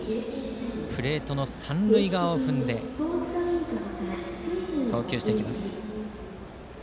プレートの三塁側を踏んで投球していました。